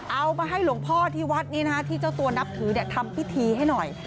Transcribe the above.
เอามาให้หลวงพ่อที่วัดนี้นะที่เจ้าตัวนับถือทำพิธีให้หน่อย